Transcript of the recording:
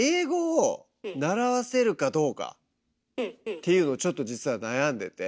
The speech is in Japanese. っていうのをちょっと実は悩んでて。